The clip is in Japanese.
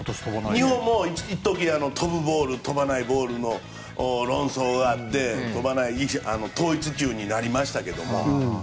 日本も一時飛ぶボール、飛ばないボールの論争があって統一球になりましたけども。